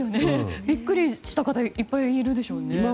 ビックリした方いっぱいいるでしょうね。